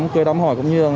cơ đám hỏi cũng như là